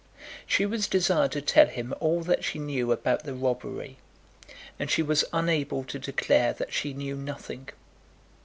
She was desired to tell him all that she knew about the robbery, and she was unable to declare that she knew nothing.